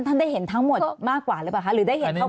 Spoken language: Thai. ท่านได้เห็นทั้งหมดมากกว่าหรือเปล่าคะหรือได้เห็นเข้ามา